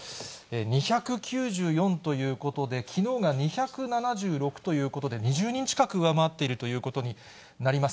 ２９４ということで、きのうが２７６ということで、２０人近く上回っているということになります。